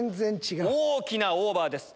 大きなオーバーです。